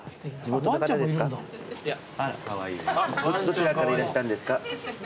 どちらからいらしたんですか？